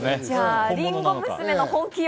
りんご娘の本気を。